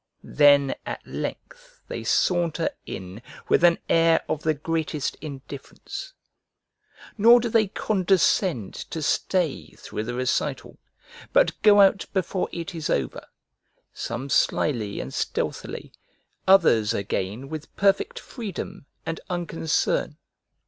Then at length they saunter in with an air of the greatest indifference, nor do they condescend to stay through the recital, but go out before it is over, some slyly and stealthily, others again with perfect freedom and unconcern.